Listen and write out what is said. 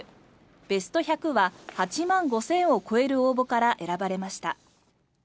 ベスト１００は８万５０００を超える応募から選ばれました。